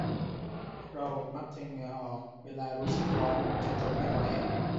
เรามักจะเหงื่อออกเวลารู้สึกร้อนจนทนไม่ไหว